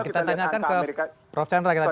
kita tanyakan ke prof chandra kita